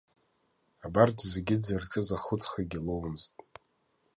Абарҭ зегьы дшырҿыз ахәыцхагьы лоуамызт.